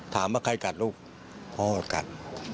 ถามว่าใครกัดลูกพ่อกัด